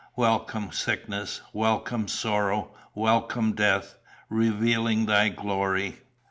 Welcome sickness, welcome sorrow, welcome death, revealing that glory!